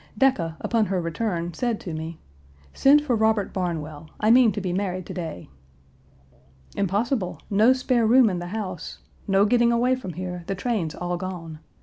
Decca, upon her return, said to me: 'Send for Robert Barnwell. I mean to be married to day.' " 'Impossible. No spare room in the house. No getting away from here; the trains all gone.